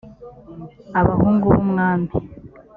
abahungu b ‘umwami